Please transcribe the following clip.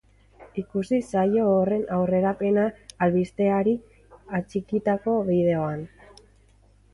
Ikusi saio horren aurrerapena albisteari atxikitako bideoan.